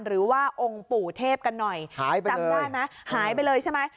หรือว่าองค์ปู่เทพกันหน่อยหายไปจำได้ไหมหายไปเลยใช่ไหม